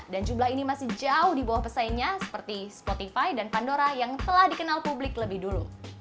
dan jumlah ini masih jauh di bawah pesaingnya seperti spotify dan pandora yang telah dikenal publik lebih dulu